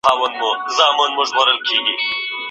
هغه به له لوستلو ډېر خوند اخیست.